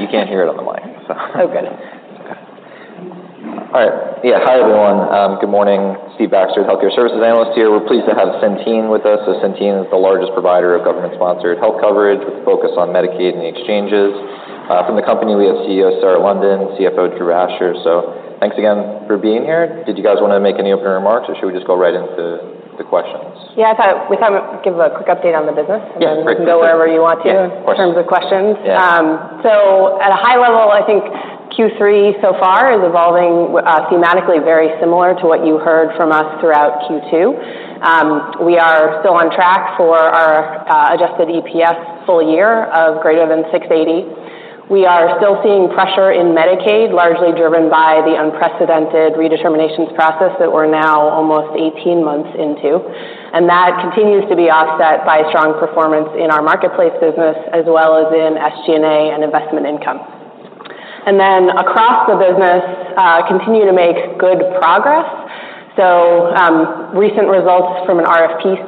You can't hear it on the mic, so okay. All right. Yeah, hi, everyone. Good morning. Steve Baxter, healthcare services analyst here. We're pleased to have Centene with us. Centene is the largest provider of government-sponsored health coverage, with a focus on Medicaid and the exchanges. From the company, we have CEO Sarah London, CFO Drew Asher. Thanks again for being here. Did you guys wanna make any opening remarks, or should we just go right into the questions? Yeah, I thought we'd kind of give a quick update on the business. Yeah, great. and then go wherever you want to. Yeah, of course.... in terms of questions. Yeah. So at a high level, I think Q3 so far is evolving thematically very similar to what you heard from us throughout Q2. We are still on track for our adjusted EPS full year of greater than $6.80. We are still seeing pressure in Medicaid, largely driven by the unprecedented redeterminations process that we're now almost 18 months into, and that continues to be offset by strong performance in our Marketplace business, as well as in SG&A and investment income. And then, across the business, we continue to make good progress. Recent results from an RFP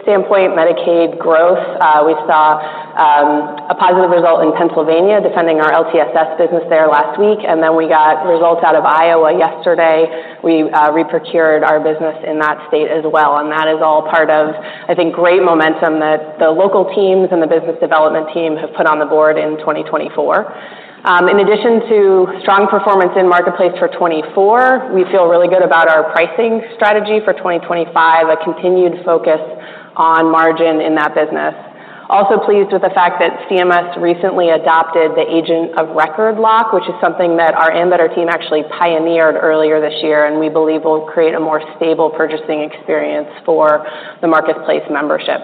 standpoint, Medicaid growth, we saw a positive result in Pennsylvania, defending our LTSS business there last week, and then we got results out of Iowa yesterday. We reprocured our business in that state as well, and that is all part of, I think, great momentum that the local teams and the business development team have put on the board in 2024. In addition to strong performance in Marketplace for 2024, we feel really good about our pricing strategy for 2025, a continued focus on margin in that business. Also pleased with the fact that CMS recently adopted the Agent of Record lock, which is something that our Ambetter team actually pioneered earlier this year, and we believe will create a more stable purchasing experience for the Marketplace membership.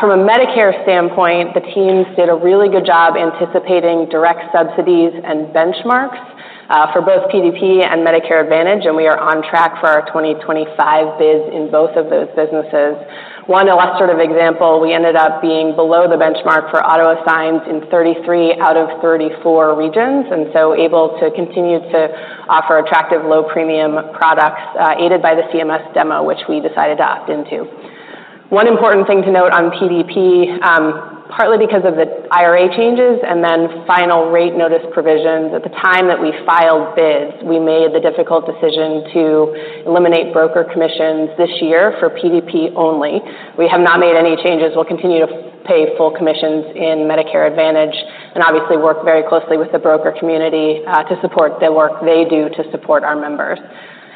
From a Medicare standpoint, the teams did a really good job anticipating direct subsidies and benchmarks for both PDP and Medicare Advantage, and we are on track for our 2025 bids in both of those businesses. One illustrative example, we ended up being below the benchmark for auto-assigned in 33 out of 34 regions, and so able to continue to offer attractive low-premium products, aided by the CMS demo, which we decided to opt into. One important thing to note on PDP, partly because of the IRA changes and then final rate notice provisions, at the time that we filed bids, we made the difficult decision to eliminate broker commissions this year for PDP only. We have not made any changes. We'll continue to pay full commissions in Medicare Advantage and obviously work very closely with the broker community, to support the work they do to support our members.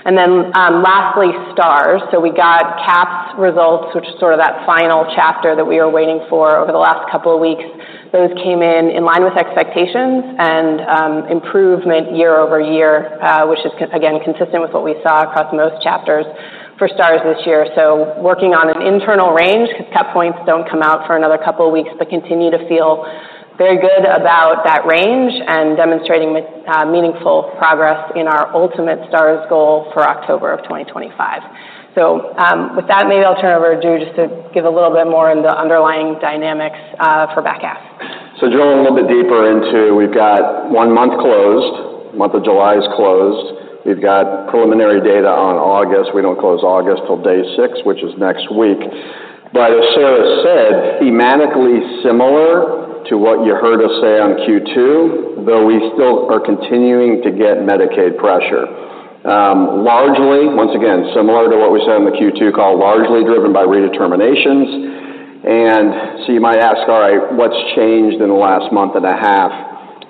And then, lastly, Stars. So we got CAHPS results, which is sort of that final chapter that we are waiting for over the last couple of weeks. Those came in line with expectations and improvement year-over-year, which is again consistent with what we saw across most chapters for Stars this year, so working on an internal range, because CAHPS points don't come out for another couple of weeks, but continue to feel very good about that range and demonstrating meaningful progress in our ultimate Stars goal for October of 2025, so with that, maybe I'll turn it over to Drew, just to give a little bit more on the underlying dynamics for back half. So drilling a little bit deeper into... We've got one month closed. Month of July is closed. We've got preliminary data on August. We don't close August till day 6, which is next week. But as Sarah said, thematically similar to what you heard us say on Q2, though we still are continuing to get Medicaid pressure. Largely, once again, similar to what we said on the Q2 call, largely driven by redeterminations. And so you might ask, "All right, what's changed in the last month and a half?"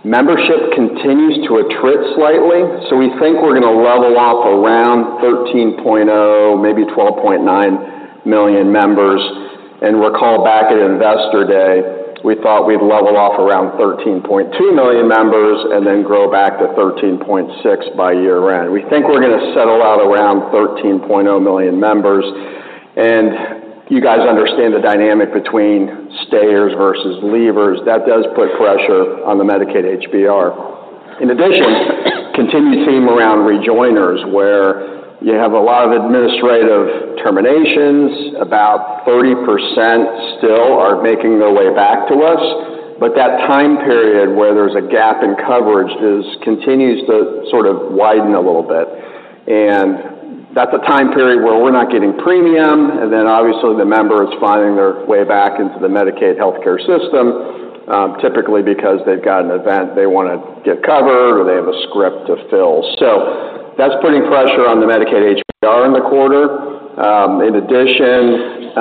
Membership continues to attrit slightly, so we think we're gonna level off around 13.0, maybe 12.9 million members. And recall back at Investor Day, we thought we'd level off around 13.2 million members and then grow back to 13.6 by year-end. We think we're gonna settle out around 13.0 million members, and you guys understand the dynamic between stayers versus leavers. That does put pressure on the Medicaid HBR. In addition, continued theme around rejoiners, where you have a lot of administrative terminations, about 30% still are making their way back to us, but that time period where there's a gap in coverage does continue to sort of widen a little bit. And that's a time period where we're not getting premium, and then obviously, the member is finding their way back into the Medicaid healthcare system, typically because they've got an event they wanna get covered, or they have a script to fill. So that's putting pressure on the Medicaid HBR in the quarter. In addition,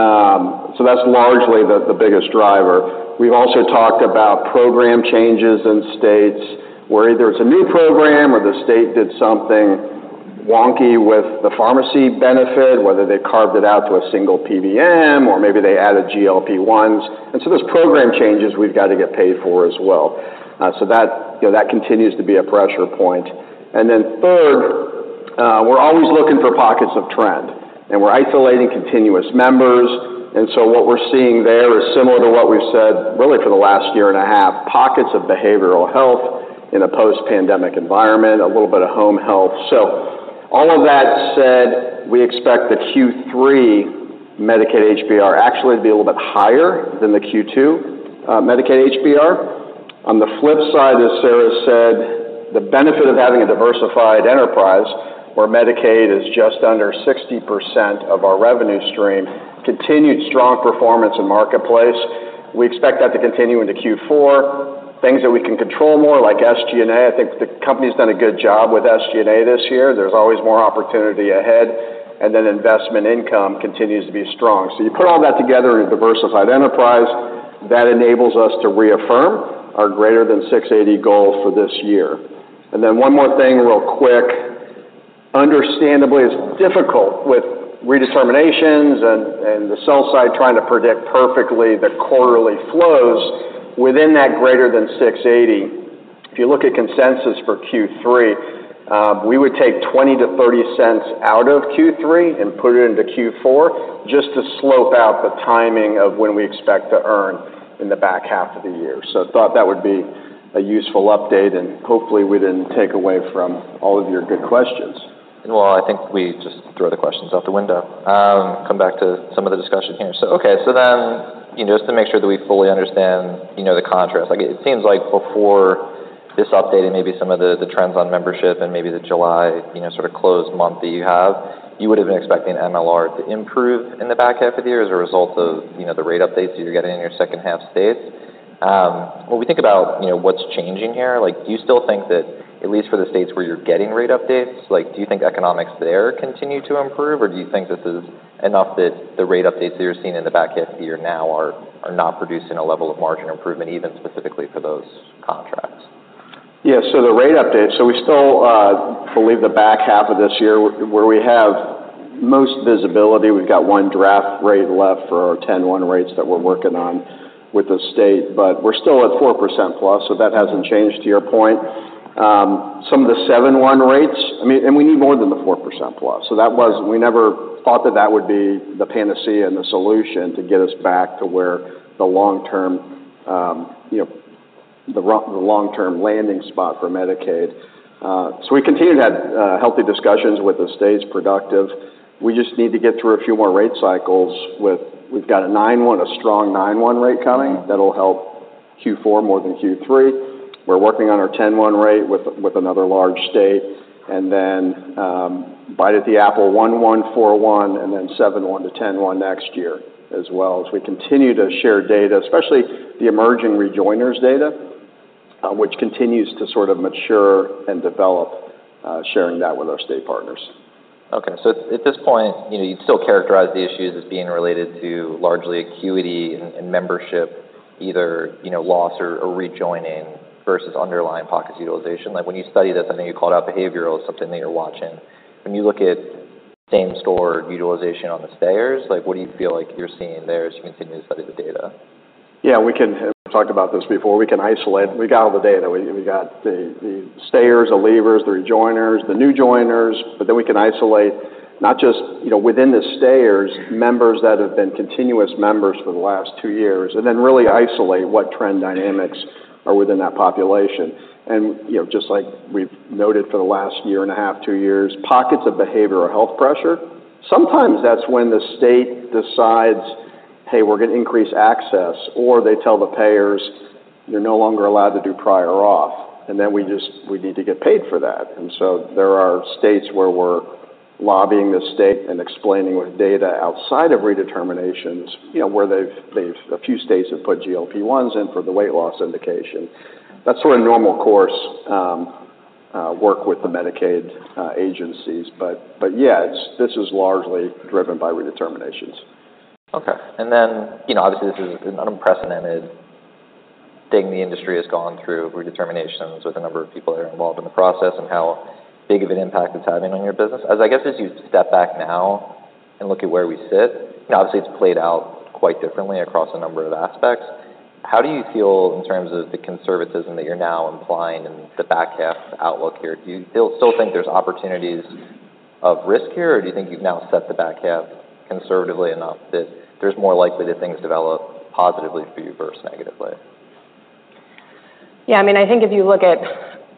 so that's largely the biggest driver. We've also talked about program changes in states, where either it's a new program or the state did something wonky with the pharmacy benefit, whether they carved it out to a single PBM or maybe they added GLP-1s. And so there's program changes we've got to get paid for as well. So that, you know, that continues to be a pressure point. And then third, we're always looking for pockets of trend, and we're isolating continuous members. And so what we're seeing there is similar to what we've said, really, for the last year and a half, pockets of behavioral health in a post-pandemic environment, a little bit of home health. So all of that said, we expect the Q3 Medicaid HBR actually to be a little bit higher than the Q2, Medicaid HBR. On the flip side-... Sarah said, the benefit of having a diversified enterprise, where Medicaid is just under 60% of our revenue stream, continued strong performance in Marketplace. We expect that to continue into Q4. Things that we can control more, like SG&A, I think the company's done a good job with SG&A this year. There's always more opportunity ahead, and then investment income continues to be strong. So you put all that together in a diversified enterprise, that enables us to reaffirm our greater than $6.80 goal for this year. Then one more thing, real quick. Understandably, it's difficult with redeterminations and the sell side trying to predict perfectly the quarterly flows within that greater than $6.80. If you look at consensus for Q3, we would take $0.20-$0.30 out of Q3 and put it into Q4, just to slope out the timing of when we expect to earn in the back half of the year. So I thought that would be a useful update, and hopefully, we didn't take away from all of your good questions. I think we just threw the questions out the window. Come back to some of the discussion here. Okay, so then, you know, just to make sure that we fully understand, you know, the contrast. Like, it seems like before this update and maybe some of the trends on membership and maybe the July, you know, sort of closed month that you have, you would have been expecting MLR to improve in the back half of the year as a result of, you know, the rate updates that you are getting in your second half states. When we think about, you know, what's changing here, like, do you still think that at least for the states where you're getting rate updates, like, do you think economics there continue to improve, or do you think this is enough that the rate updates that you're seeing in the back half of the year now are not producing a level of margin improvement, even specifically for those contracts? Yeah, so the rate updates, so we still believe the back half of this year, where we have most visibility, we've got one draft rate left for our 10/1 rates that we're working on with the state, but we're still at 4%+, so that hasn't changed to your point. Some of the 7/1 rates. I mean, and we need more than the 4%+. So that was- Yeah. We never thought that, that would be the panacea and the solution to get us back to where the long-term, you know, the long-term landing spot for Medicaid. So we continue to have healthy discussions with the states, productive. We just need to get through a few more rate cycles with... We've got a 9/1, a strong 9/1 rate coming- Mm-hmm. That'll help Q4 more than Q3. We're working on our 10/1 rate with another large state, and then another bite at the apple 1/1, 4/1, and then 7/1 to 10/1 next year as well. As we continue to share data, especially the emerging rejoiners data, which continues to sort of mature and develop, sharing that with our state partners. Okay, so at this point, you know, you'd still characterize the issues as being related to largely acuity and membership, either, you know, loss or rejoining versus underlying pockets utilization. Like, when you study this, I think you called out behavioral as something that you're watching. When you look at same store utilization on the stayers, like, what do you feel like you're seeing there as you continue to study the data? Yeah, we can. I've talked about this before. We can isolate. We got all the data. We got the stayers, the leavers, the rejoiners, the new joiners, but then we can isolate not just, you know, within the stayers, members that have been continuous members for the last 2-years, and then really isolate what trend dynamics are within that population. And, you know, just like we've noted for the last year and a half, two years, pockets of behavioral health pressure, sometimes that's when the state decides, "Hey, we're gonna increase access," or they tell the payers, "You're no longer allowed to do prior auth," and then we just, we need to get paid for that. And so there are states where we're lobbying the state and explaining with data outside of redeterminations, you know, where they've a few states have put GLP-1s in for the weight loss indication. That's sort of normal course work with the Medicaid agencies. But yeah, it's this is largely driven by redeterminations. Okay, and then, you know, obviously, this is an unprecedented thing the industry has gone through, redeterminations, with the number of people that are involved in the process and how big of an impact it's having on your business. As, I guess, as you step back now and look at where we sit, and obviously, it's played out quite differently across a number of aspects, how do you feel in terms of the conservatism that you're now implying in the back half outlook here? Do you feel, still think there's opportunities of risk here, or do you think you've now set the back half conservatively enough that there's more likely that things develop positively for you versus negatively? Yeah, I mean, I think if you look at,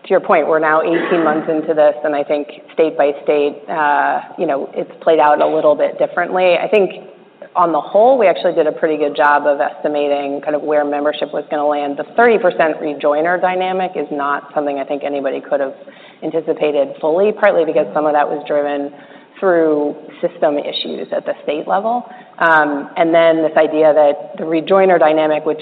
to your point, we're now 18-months into this, and I think state by state, you know, it's played out a little bit differently. I think on the whole, we actually did a pretty good job of estimating kind of where membership was gonna land. The 30% rejoiner dynamic is not something I think anybody could have anticipated fully, partly because some of that was driven through system issues at the state level. And then this idea that the rejoiner dynamic, which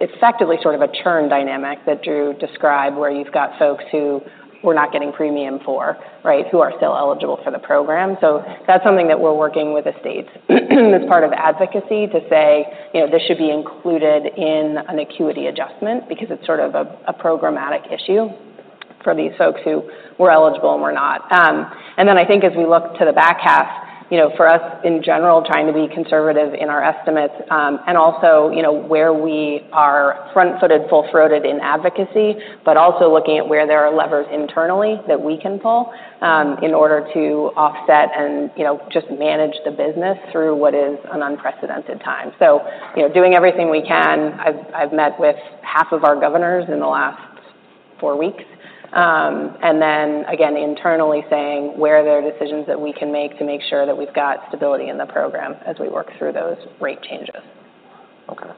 is effectively sort of a churn dynamic that Drew described, where you've got folks who we're not getting premium for, right, who are still eligible for the program. So that's something that we're working with the states, as part of advocacy, to say, "You know, this should be included in an acuity adjustment, because it's sort of a programmatic issue for these folks who were eligible and were not." And then I think as we look to the back half, you know, for us, in general, trying to be conservative in our estimates, and also, you know, where we are front-footed, full-throated in advocacy, but also looking at where there are levers internally that we can pull, in order to offset and, you know, just manage the business through what is an unprecedented time. So, you know, doing everything we can. I've met with half of our governors in the last four weeks. And then again, internally saying, where there are decisions that we can make to make sure that we've got stability in the program as we work through those rate changes?... Okay.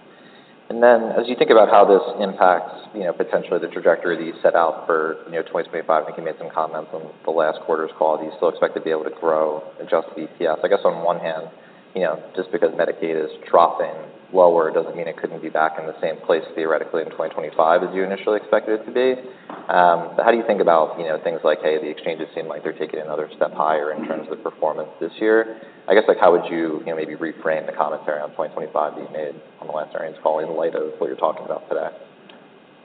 And then as you think about how this impacts, you know, potentially the trajectory that you set out for, you know, 2025, I think you made some comments on the last quarter's call. Do you still expect to be able to grow Adjusted EPS? I guess, on one hand, you know, just because Medicaid is dropping lower, doesn't mean it couldn't be back in the same place theoretically in 2025 as you initially expected it to be. But how do you think about, you know, things like, hey, the exchanges seem like they're taking another step higher in terms of performance this year? I guess, like, how would you, you know, maybe reframe the commentary on 2025 that you made on the last earnings call in light of what you're talking about today?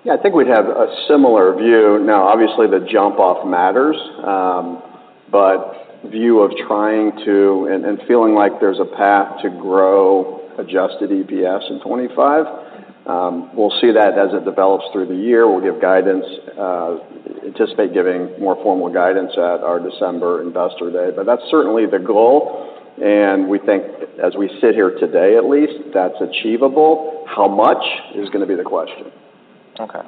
Yeah, I think we'd have a similar view. Now, obviously, the jump off matters, but view of trying to and feeling like there's a path to grow Adjusted EPS in 2025, we'll see that as it develops through the year. We'll give guidance, anticipate giving more formal guidance at our December Investor Day, but that's certainly the goal, and we think as we sit here today, at least, that's achievable. How much is gonna be the question. Okay.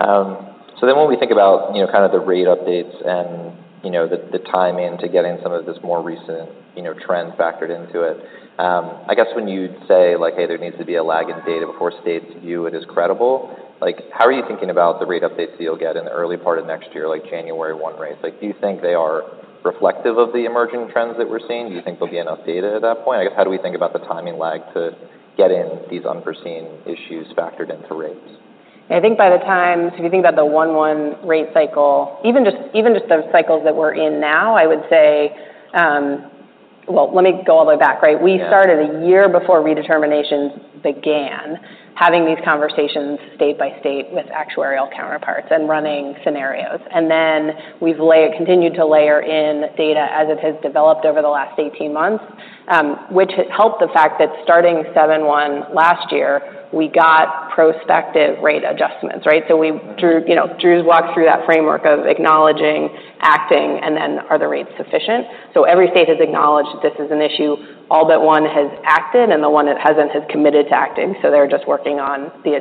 So then when we think about, you know, kind of the rate updates and, you know, the, the timing to getting some of this more recent, you know, trends factored into it, I guess, when you say, like, "Hey, there needs to be a lag in data before states view it as credible," like, how are you thinking about the rate updates that you'll get in the early part of next year, like January 1 rates? Like, do you think they are reflective of the emerging trends that we're seeing? Do you think they'll be enough data at that point? I guess, how do we think about the timing lag to get in these unforeseen issues factored into rates? I think by the time... So if you think about the 1/1 rate cycle, even just, even just the cycles that we're in now, I would say, well, let me go all the way back, right? Yeah. We started a year before redeterminations began, having these conversations state by state with actuarial counterparts and running scenarios, and then we've continued to layer in data as it has developed over the last 18-months, which helped the fact that starting July 1 last year, we got prospective rate adjustments, right, so we, Drew, you know, Drew's walked through that framework of acknowledging, acting, and then are the rates sufficient, so every state has acknowledged this is an issue. All but one has acted, and the one that hasn't, has committed to acting, so they're just working on the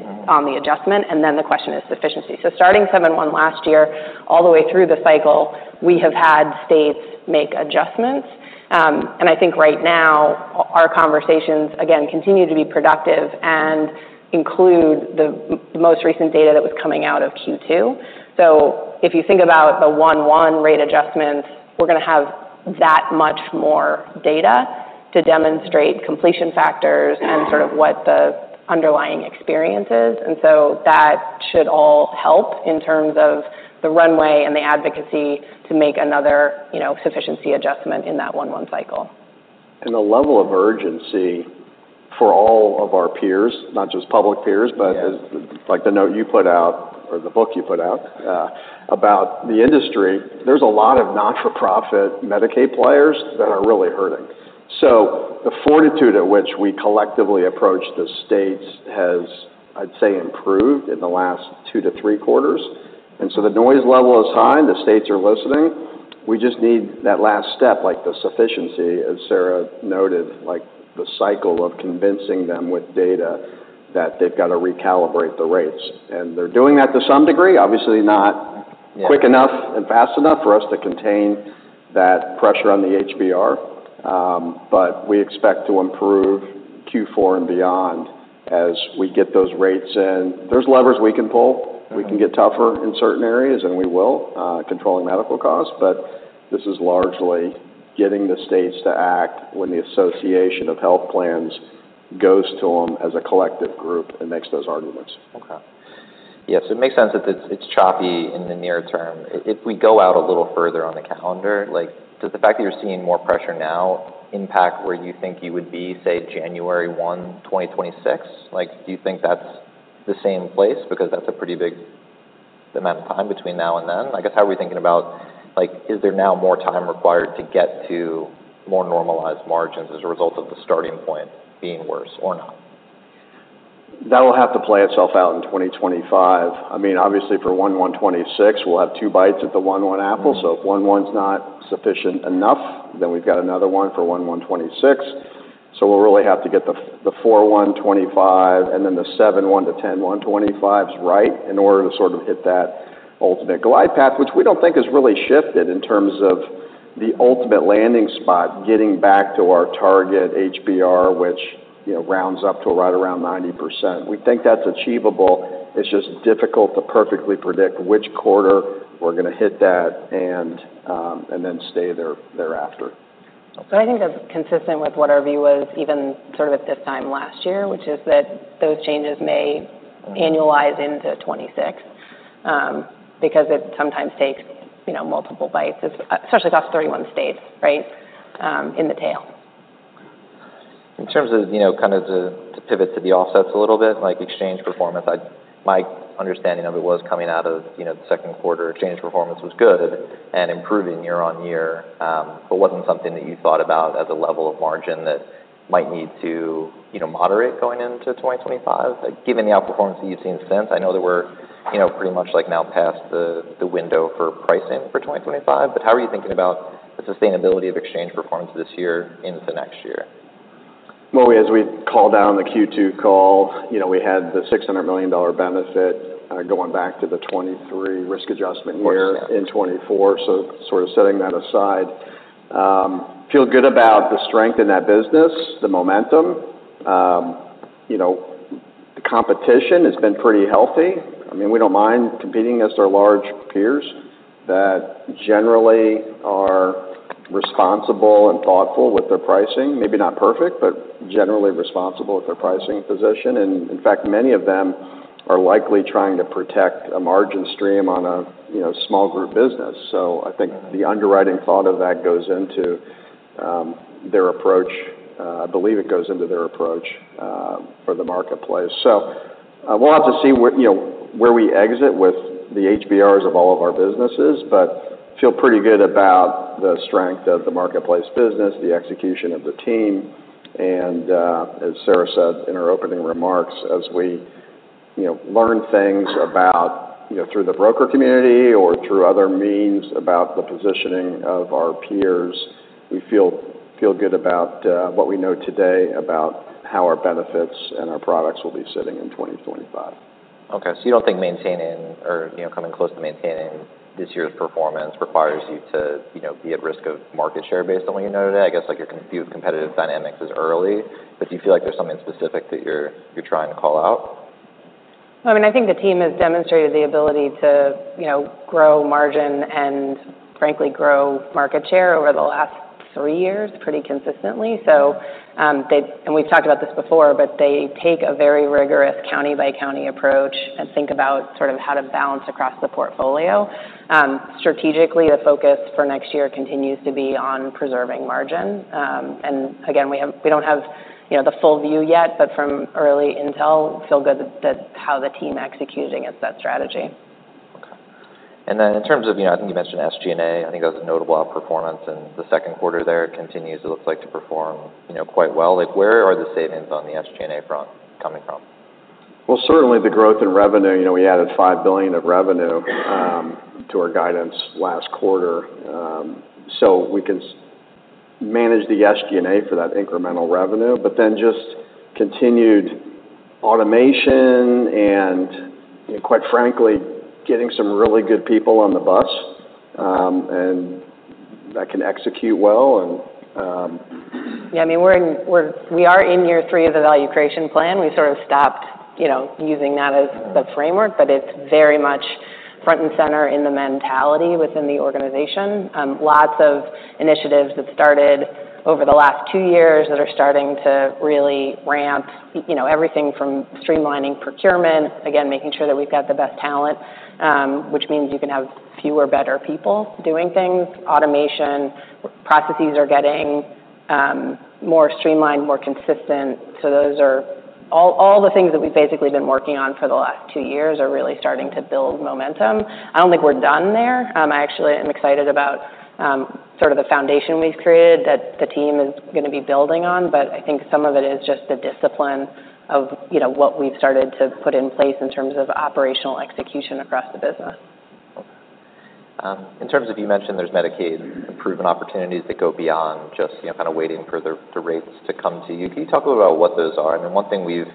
adjustment, and then the question is sufficiency, so starting July 1 last year, all the way through the cycle, we have had states make adjustments. I think right now, our conversations, again, continue to be productive and include the most recent data that was coming out of Q2, so if you think about the 1/1 rate adjustments, we're gonna have that much more data to demonstrate completion factors and sort of what the underlying experience is, and so that should all help in terms of the runway and the advocacy to make another, you know, sufficiency adjustment in that 1/1 cycle. And the level of urgency for all of our peers, not just public peers... Yeah But like the note you put out or the book you put out, about the industry, there's a lot of not-for-profit Medicaid players that are really hurting. So the fortitude at which we collectively approach the states has, I'd say, improved in the last two to three quarters. And so the noise level is high, and the states are listening. We just need that last step, like the sufficiency, as Sarah noted, like the cycle of convincing them with data, that they've got to recalibrate the rates. And they're doing that to some degree, obviously, not- Yeah... quick enough and fast enough for us to contain that pressure on the HBR. But we expect to improve Q4 and beyond as we get those rates in. There's levers we can pull. Mm-hmm. We can get tougher in certain areas, and we will, controlling medical costs, but this is largely getting the states to act when the Association of Health Plans goes to them as a collective group and makes those arguments. Okay. Yeah, so it makes sense that it's choppy in the near term. If we go out a little further on the calendar, like, does the fact that you're seeing more pressure now impact where you think you would be, say, January 1, 2026? Like, do you think that's the same place? Because that's a pretty big amount of time between now and then. I guess, how are we thinking about, like, is there now more time required to get to more normalized margins as a result of the starting point being worse or not? That will have to play itself out in 2025. I mean, obviously, for 1/1 2026, we'll have two bites at the 1/1 apple. Mm-hmm. If 1/1's not sufficient enough, then we've got another one for 1/1 2026. We'll really have to get the 4/1 2025 and then the 7/1 to 10/1 2025 right in order to sort of hit that ultimate glide path, which we don't think has really shifted in terms of the ultimate landing spot, getting back to our target HBR, which, you know, rounds up to right around 90%. We think that's achievable. It's just difficult to perfectly predict which quarter we're gonna hit that and then stay there thereafter. I think that's consistent with what our view was even sort of at this time last year, which is that those changes may annualize into 2026, because it sometimes takes, you know, multiple bites, especially across 31 states, right, in the tail. In terms of, you know, kind of the, to pivot to the offsets a little bit, like exchange performance, my understanding of it was coming out of, you know, the second quarter, exchange performance was good and improving year on year. But wasn't something that you thought about as a level of margin that might need to, you know, moderate going into 2025? Like, given the outperformance that you've seen since, I know that we're, you know, pretty much like now past the window for pricing for 2025, but how are you thinking about the sustainability of exchange performance this year into next year? As we called out on the Q2 call, you know, we had the $600 million benefit, going back to the 2023 risk adjustment year- Yeah in 2024, so sort of setting that aside. Feel good about the strength in that business, the momentum. You know, the competition has been pretty healthy. I mean, we don't mind competing against our large peers that generally are responsible and thoughtful with their pricing. Maybe not perfect, but generally responsible with their pricing position. And in fact, many of them are likely trying to protect a margin stream on a, you know, small group business. So I think the underwriting thought of that goes into their approach for the Marketplace. So I want to see where, you know, where we exit with the HBRs of all of our businesses, but feel pretty good about the strength of the Marketplace business, the execution of the team. As Sarah said in her opening remarks, as we, you know, learn things about, you know, through the broker community or through other means about the positioning of our peers, we feel good about what we know today about how our benefits and our products will be sitting in 2025. Okay. So you don't think maintaining or, you know, coming close to maintaining this year's performance requires you to, you know, be at risk of market share based on what you know today? I guess, like, your competitive dynamics is early, but do you feel like there's something specific that you're trying to call out? I mean, I think the team has demonstrated the ability to, you know, grow margin and frankly, grow market share over the last 3- years pretty consistently, so, and we've talked about this before, but they take a very rigorous county-by-county approach and think about sort of how to balance across the portfolio. Strategically, the focus for next year continues to be on preserving margin, and again, we don't have, you know, the full view yet, but from early intel, feel good that how the team executing is that strategy. Okay. And then in terms of, you know, I think you mentioned SG&A, I think that was a notable outperformance in the second quarter there. It continues, it looks like, to perform, you know, quite well. Like, where are the savings on the SG&A front coming from? Certainly, the growth in revenue, you know, we added $5 billion of revenue to our guidance last quarter. So we can manage the SG&A for that incremental revenue, but then just continued automation and, quite frankly, getting some really good people on the bus, and that can execute well. Yeah, I mean, we're in year three of the Senior Equity Research Analyst, Value Creation Plan. We sort of stopped, you know, using that as the framework, but it's very much front and center in the mentality within the organization. Lots of initiatives that started over the last 2-years that are starting to really ramp, you know, everything from streamlining procurement, again, making sure that we've got the best talent, which means you can have fewer, better people doing things. Automation processes are getting more streamlined, more consistent. So those are all the things that we've basically been working on for the last 2-years are really starting to build momentum. I don't think we're done there. I actually am excited about, sort of the foundation we've created that the team is going to be building on, but I think some of it is just the discipline of, you know, what we've started to put in place in terms of operational execution across the business. In terms of, you mentioned there's Medicaid improvement opportunities that go beyond just, you know, kind of waiting for the rates to come to you. Can you talk a little about what those are? I mean, one thing we've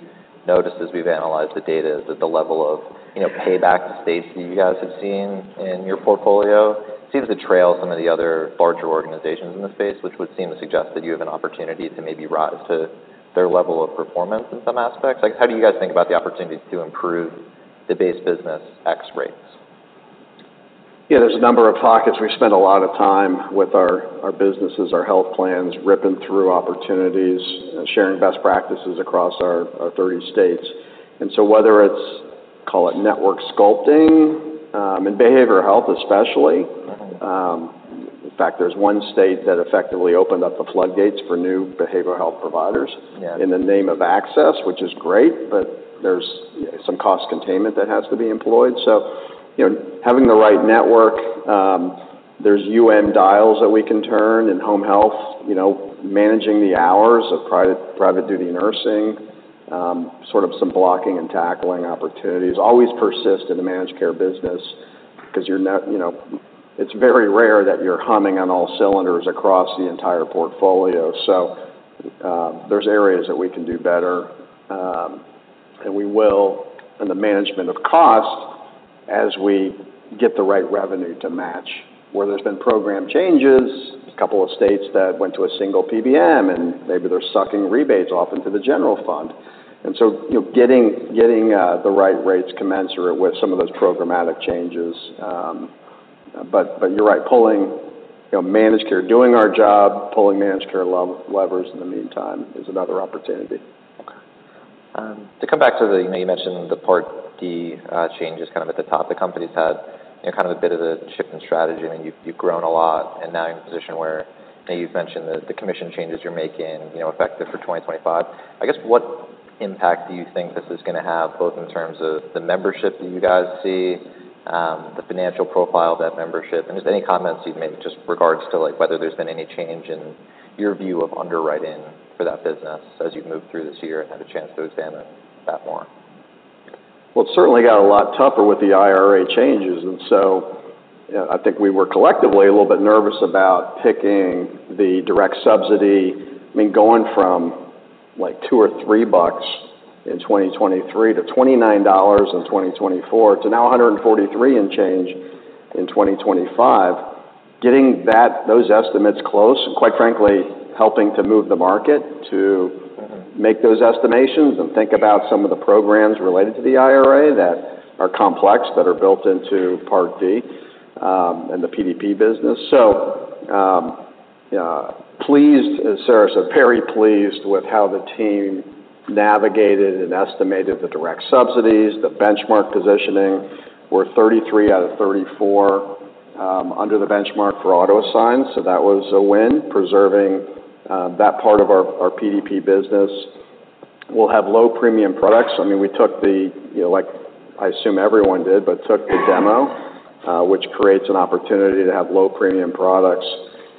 noticed as we've analyzed the data is that the level of, you know, payback to states that you guys have seen in your portfolio seems to trail some of the other larger organizations in the space, which would seem to suggest that you have an opportunity to maybe rise to their level of performance in some aspects. Like, how do you guys think about the opportunities to improve the base business X rates? Yeah, there's a number of pockets. We spend a lot of time with our businesses, our health plans, ripping through opportunities and sharing best practices across our 30 states. And so whether it's, call it network sculpting in behavioral health, especially. In fact, there's one state that effectively opened up the floodgates for new behavioral health providers- Yeah in the name of access, which is great, but there's some cost containment that has to be employed. So, you know, having the right network, there's some dials that we can turn in home health, you know, managing the hours of private duty nursing, sort of some blocking and tackling opportunities. Always persist in the managed care business because, you know, it's very rare that you're humming on all cylinders across the entire portfolio. So, there's areas that we can do better, and we will, in the management of cost, as we get the right revenue to match. Where there's been program changes, a couple of states that went to a single PBM, and maybe they're sucking rebates off into the general fund. And so, you know, getting the right rates commensurate with some of those programmatic changes. But you're right, pulling, you know, managed care, doing our job, pulling managed care levers in the meantime is another opportunity. Okay. To come back to the, you know, you mentioned the Part D changes kind of at the top. The company's had, you know, kind of a bit of a shift in strategy. I mean, you've, you've grown a lot, and now you're in a position where, you've mentioned the, the commission changes you're making, you know, effective for 2025. I guess, what impact do you think this is going to have, both in terms of the membership that you guys see, the financial profile of that membership, and just any comments you'd make just regards to, like, whether there's been any change in your view of underwriting for that business as you've moved through this year and had a chance to examine that more? It certainly got a lot tougher with the IRA changes, and so, you know, I think we were collectively a little bit nervous about picking the direct subsidy. I mean, going from... like $2 or $3 in 2023 to $29 in 2024, to now $143 and change in 2025, getting that, those estimates close, and quite frankly, helping to move the market to- Mm-hmm. -make those estimations and think about some of the programs related to the IRA that are complex, that are built into Part D, and the PDP business. So, yeah, pleased, as Sarah said, very pleased with how the team navigated and estimated the direct subsidies. The benchmark positioning, we're 33 out of 34, under the benchmark for auto assign, so that was a win, preserving, that part of our, our PDP business. We'll have low premium products. I mean, we took the, you know, like I assume everyone did, but took the demo, which creates an opportunity to have low premium products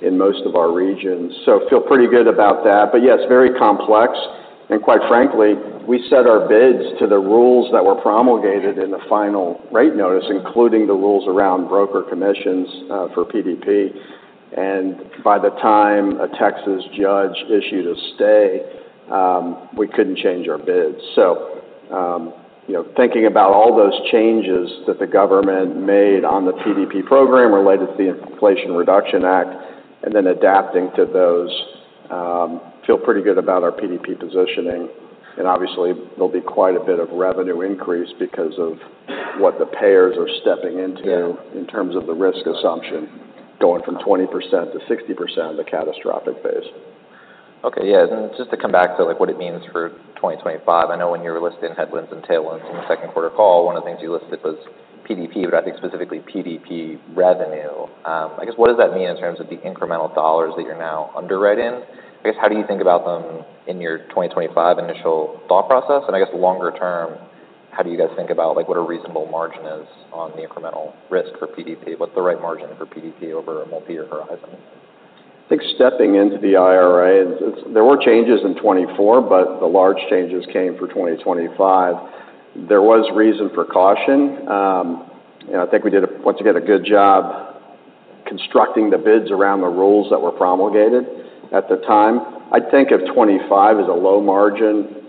in most of our regions. So feel pretty good about that. But yeah, it's very complex, and quite frankly, we set our bids to the rules that were promulgated in the final rate notice, including the rules around broker commissions, for PDP. And by the time a Texas judge issued a stay, we couldn't change our bids. So, you know, thinking about all those changes that the government made on the PDP program related to the Inflation Reduction Act, and then adapting to those, feel pretty good about our PDP positioning. And obviously, there'll be quite a bit of revenue increase because of what the payers are stepping into- Yeah. in terms of the risk assumption, going from 20% to 60% of the catastrophic phase. Okay, yeah. And just to come back to, like, what it means for 2025, I know when you were listing headwinds and tailwinds in the second quarter call, one of the things you listed was PDP, but I think specifically PDP revenue. I guess, what does that mean in terms of the incremental dollars that you're now underwriting? I guess, how do you think about them in your 2025 initial thought process? And I guess, longer term, how do you guys think about, like, what a reasonable margin is on the incremental risk for PDP? What's the right margin for PDP over a multi-year horizon? I think stepping into the IRA, there were changes in 2024, but the large changes came for 2025. There was reason for caution. I think we did, once again, a good job constructing the bids around the rules that were promulgated at the time. I think of 2025 as a low margin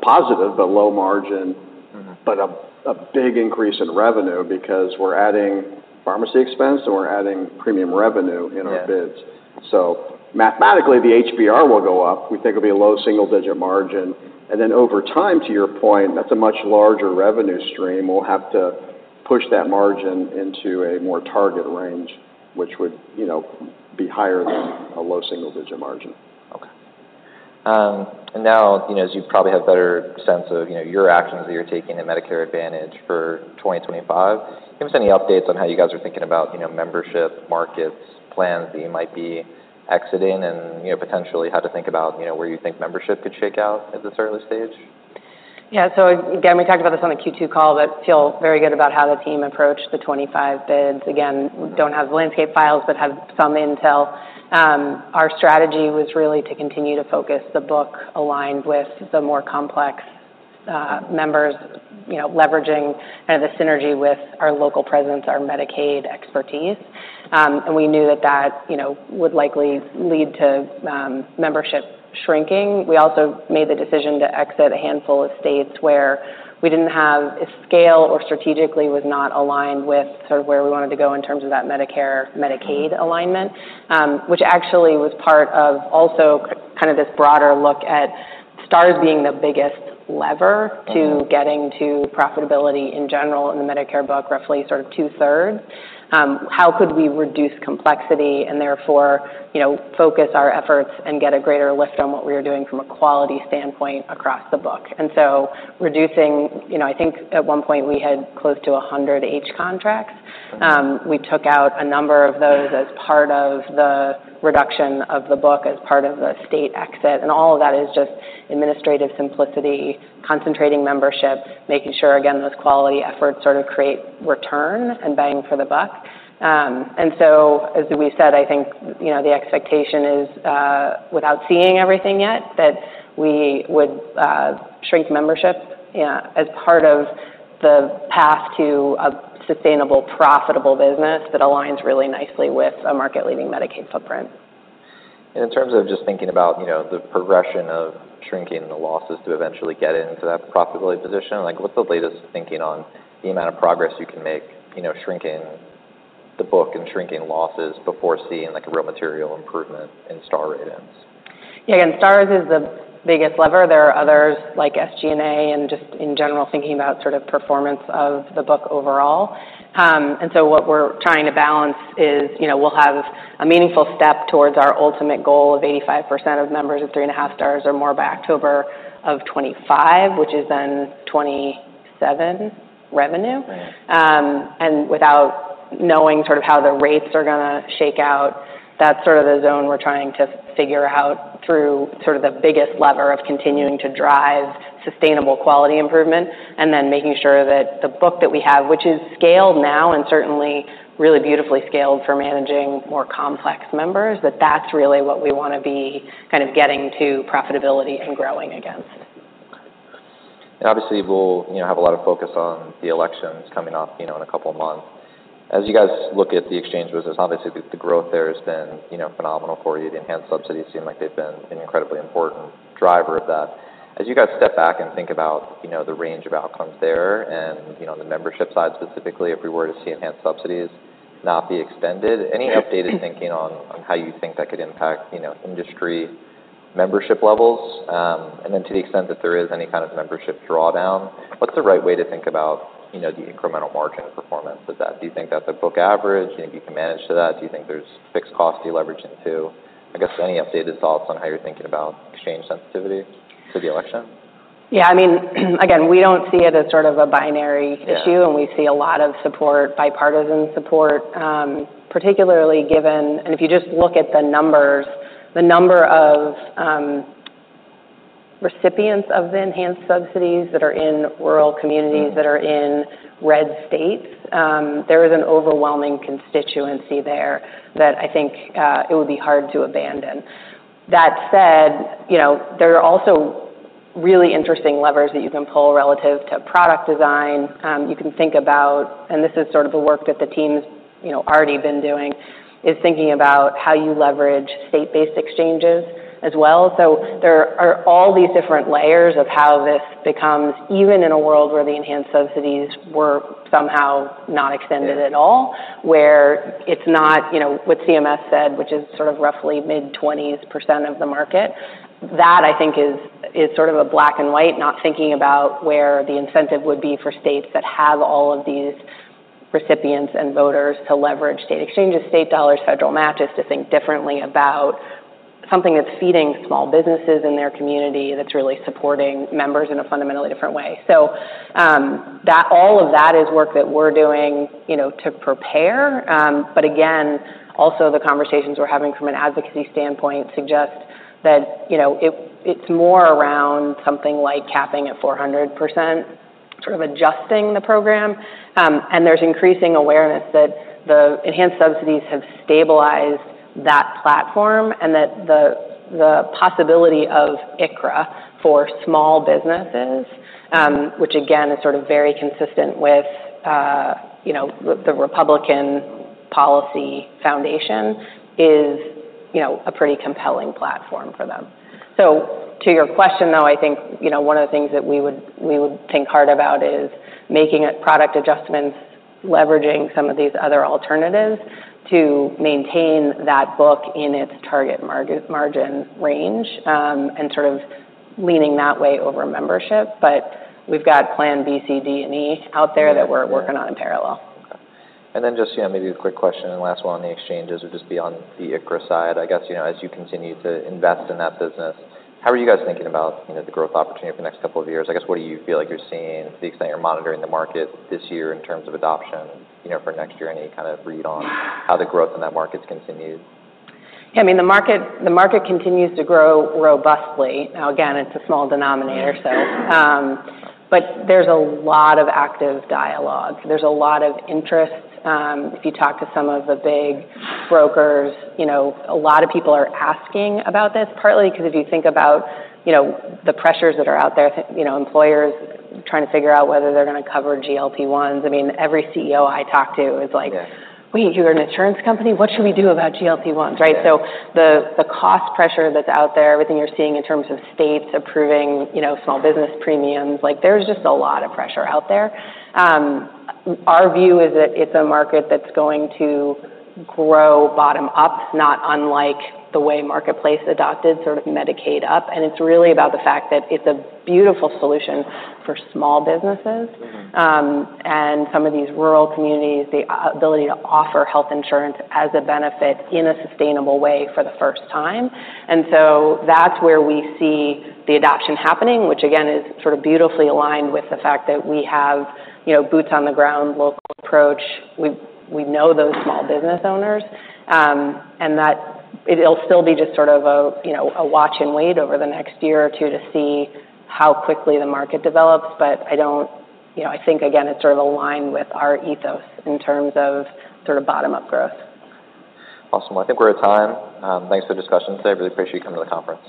positive, but low margin. Mm-hmm. -but a big increase in revenue because we're adding pharmacy expense, and we're adding premium revenue in our bids. Yeah. So mathematically, the HBR will go up. We think it'll be a low single-digit margin. And then over time, to your point, that's a much larger revenue stream. We'll have to push that margin into a more target range, which would, you know, be higher than a low single-digit margin. Okay, and now, you know, as you probably have a better sense of, you know, your actions that you're taking in Medicare Advantage for 2025, give us any updates on how you guys are thinking about, you know, membership, markets, plans that you might be exiting and, you know, potentially how to think about, you know, where you think membership could shake out at this early stage? Yeah, so again, we talked about this on the Q2 call, but feel very good about how the team approached the 2025 bids. Again, we don't have the landscape files, but have some intel. Our strategy was really to continue to focus the book aligned with the more complex members, you know, leveraging kind of the synergy with our local presence, our Medicaid expertise, and we knew that that, you know, would likely lead to membership shrinking. We also made the decision to exit a handful of states where we didn't have a scale or strategically was not aligned with sort of where we wanted to go in terms of that Medicare-Medicaid alignment, which actually was part of also kind of this broader look at Stars being the biggest lever- Mm-hmm. -to getting to profitability in general in the Medicare book, roughly sort of two-thirds. How could we reduce complexity and therefore, you know, focus our efforts and get a greater lift on what we are doing from a quality standpoint across the book? And so reducing... You know, I think at one point, we had close to 100 H contracts. Okay. We took out a number of those as part of the reduction of the book, as part of the state exit, and all of that is just administrative simplicity, concentrating membership, making sure, again, those quality efforts sort of create return and bang for the buck, and so as we said, I think, you know, the expectation is, without seeing everything yet, that we would shrink membership, yeah, as part of the path to a sustainable, profitable business that aligns really nicely with a market-leading Medicaid footprint. In terms of just thinking about, you know, the progression of shrinking the losses to eventually get into that profitability position, like, what's the latest thinking on the amount of progress you can make, you know, shrinking the book and shrinking losses before seeing, like, a real material improvement in Star Ratings? Yeah, again, Stars is the biggest lever. There are others like SG&A and just in general, thinking about sort of performance of the book overall. And so what we're trying to balance is, you know, we'll have a meaningful step towards our ultimate goal of 85% of members at three and a half Stars or more by October of 2025, which is then 2027 revenue. Right. Without knowing sort of how the rates are gonna shake out, that's sort of the zone we're trying to figure out through sort of the biggest lever of continuing to drive sustainable quality improvement, and then making sure that the book that we have, which is scaled now and certainly really beautifully scaled for managing more complex members, that that's really what we wanna be kind of getting to profitability and growing against.... And obviously, we'll, you know, have a lot of focus on the elections coming up, you know, in a couple of months. As you guys look at the exchange business, obviously, the growth there has been, you know, phenomenal for you. The enhanced subsidies seem like they've been an incredibly important driver of that. As you guys step back and think about, you know, the range of outcomes there and, you know, the membership side, specifically, if we were to see enhanced subsidies not be extended, any updated thinking on how you think that could impact, you know, industry membership levels? And then to the extent that there is any kind of membership drawdown, what's the right way to think about, you know, the incremental margin performance of that? Do you think that's a book average, and you can manage to that? Do you think there's fixed costs you're leveraging too? I guess, any updated thoughts on how you're thinking about exchange sensitivity to the election? Yeah, I mean, again, we don't see it as sort of a binary issue- Yeah. - and we see a lot of support, bipartisan support, particularly given... And if you just look at the numbers, the number of, recipients of the enhanced subsidies that are in rural communities- Mm-hmm. that are in red states, there is an overwhelming constituency there that I think, it would be hard to abandon. That said, you know, there are also really interesting levers that you can pull relative to product design. You can think about, and this is sort of the work that the team's, you know, already been doing, is thinking about how you leverage state-based exchanges as well. So there are all these different layers of how this becomes, even in a world where the enhanced subsidies were somehow not extended at all, where it's not, you know, what CMS said, which is sort of roughly mid-20s% of the market. That, I think, is sort of a black and white, not thinking about where the incentive would be for states that have all of these recipients and voters to leverage state exchanges, state dollars, federal matches, to think differently about something that's feeding small businesses in their community, that's really supporting members in a fundamentally different way. So, that all of that is work that we're doing, you know, to prepare. But again, also the conversations we're having from an advocacy standpoint suggest that, you know, it, it's more around something like capping at 400%, sort of adjusting the program. and there's increasing awareness that the enhanced subsidies have stabilized that platform, and that the possibility of ICHRA for small businesses, which again is sort of very consistent with the Republican policy foundation, is a pretty compelling platform for them. So to your question, though, I think one of the things that we would think hard about is making a product adjustments, leveraging some of these other alternatives, to maintain that book in its target margin range, and sort of leaning that way over membership. But we've got plan B, C, D, and E out there- Yeah. - that we're working on in parallel. Okay. And then just, yeah, maybe a quick question, and last one on the exchanges, would just be on the ICHRA side. I guess, you know, as you continue to invest in that business, how are you guys thinking about, you know, the growth opportunity for the next couple of years? I guess, what do you feel like you're seeing, to the extent you're monitoring the market this year, in terms of adoption, you know, for next year? Any kind of read on how the growth in that market continues? I mean, the market, the market continues to grow robustly. Now, again, it's a small denominator, so. But there's a lot of active dialogue. There's a lot of interest. If you talk to some of the big brokers, you know, a lot of people are asking about this, partly because if you think about, you know, the pressures that are out there, you know, employers trying to figure out whether they're gonna cover GLP-1s. I mean, every CEO I talk to is like- Yeah ... "Wait, you're an insurance company? What should we do about GLP-1s? Yeah. Right. So the cost pressure that's out there, everything you're seeing in terms of states approving, you know, small business premiums, like, there's just a lot of pressure out there. Our view is that it's a market that's going to grow bottom up, not unlike the way Marketplace adopted, sort of Medicaid up, and it's really about the fact that it's a beautiful solution for small businesses. Mm-hmm. And some of these rural communities, the ability to offer health insurance as a benefit in a sustainable way for the first time. And so that's where we see the adoption happening, which again is sort of beautifully aligned with the fact that we have, you know, boots on the ground, local approach. We know those small business owners, and that it'll still be just sort of a, you know, a watch and wait over the next year or two to see how quickly the market develops. But you know, I think again, it's sort of aligned with our ethos in terms of sort of bottom-up growth. Awesome. I think we're out of time. Thanks for the discussion today. I really appreciate you coming to the conference.